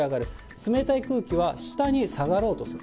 冷たい空気は下に下がろうとする。